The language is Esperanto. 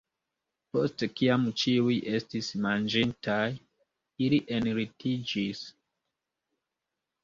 Post kiam ĉiuj estis manĝintaj, ili enlitiĝis.